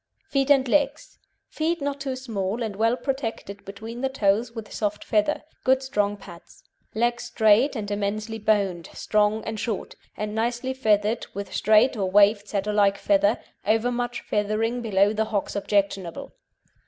FEET AND LEGS Feet not too small, and well protected between the toes with soft feather; good strong pads. Legs straight and immensely boned, strong and short, and nicely feathered with straight or waved Setter like feather, overmuch feathering below the hocks objectionable.